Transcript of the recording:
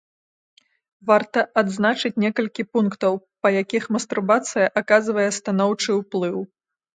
Варта адзначыць некалькі пунктаў, па якіх мастурбацыя аказвае станоўчы ўплыў.